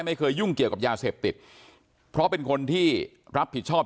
ไม่เคยยุ่งเกี่ยวกับยาเสพติดเพราะเป็นคนที่รับผิดชอบ